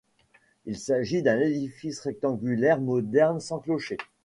Il s'agit d'un édifice rectangulaire moderne sans clocher.